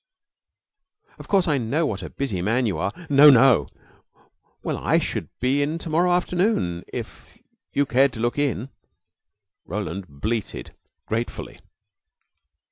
"Of course, I know what a busy man you are " "No, no!" "Well, I should be in to morrow afternoon, if you cared to look in." Roland bleated gratefully.